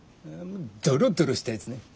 ドロドロしたやつね。